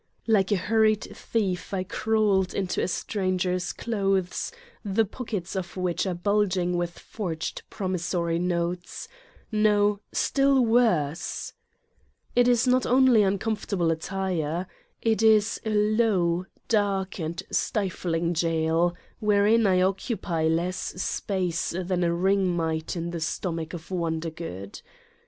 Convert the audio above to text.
29 Satan's Diary Like a hurried thief I crawled into a stranger's clothes, the pockets of which are bulging with forged promissory notes no, still worse ! It is not only uncomfortable attire. It is a low, dark and stifling jail, wherein I occupy less space than a ring might in the stomach of Wondergood.